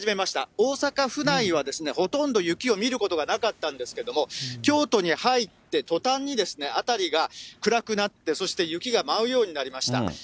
大阪府内はほとんど雪を見ることがなかったんですけれども、京都に入ったとたんに、辺りが暗くなって、そして雪が舞うようになりました。